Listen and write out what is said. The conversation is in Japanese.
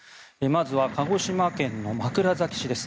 まずは鹿児島県の枕崎市です。